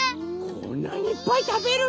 こんなにいっぱいたべるの？